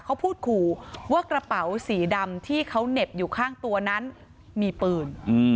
เขาพูดขู่ว่ากระเป๋าสีดำที่เขาเหน็บอยู่ข้างตัวนั้นมีปืน